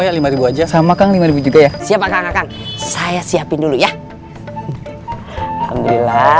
ya lima ribu aja sama kang lima juga ya siap akan saya siapin dulu ya alhamdulillah